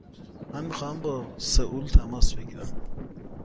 من می خواهم با سئول تماس بگیرم.